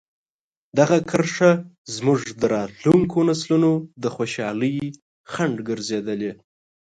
دغه کرښه زموږ د راتلونکي نسلونو د خوشحالۍ خنډ ګرځېدلې.